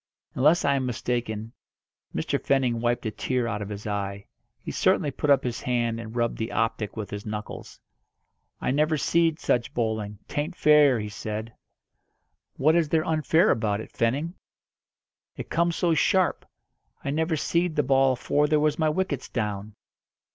Unless I am mistaken, Mr. Fenning wiped a tear out of his eye. He certainly put up his hand and rubbed the optic with his knuckles. "I never seed such bowling! 'Tain't fair!" he said. "What is there unfair about it, Fenning?" "It comes so sharp. I never seed the ball afore there was my wickets down."